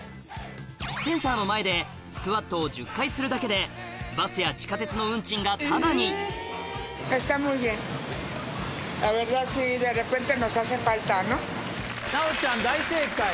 センサーの前でスクワットを１０回するだけでバスや地下鉄の運賃がタダに奈央ちゃん大正解。